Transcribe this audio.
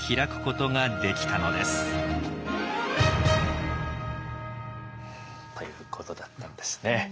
ということだったんですね。